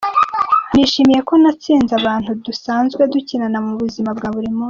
Nishimiye ko natsinze abantu dusanzwe dukinana mu buzima bwa buri munsi.